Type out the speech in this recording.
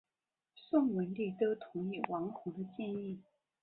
宋文帝都同意王弘的建议。